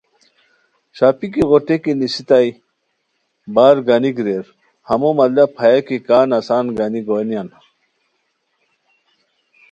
ݰاپیک ایغو ٹیکی کی نیسائے بارگانیک ریر ہمو مطلب ہیہ کی کا نسان گانی گونیان